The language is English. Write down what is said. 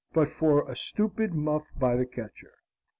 but for a stupid muff by the catcher.